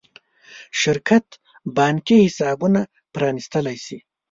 شرکت بانکي حسابونه پرانېستلی شي.